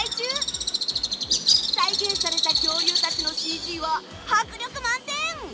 再現された恐竜たちのＣＧは迫力満点！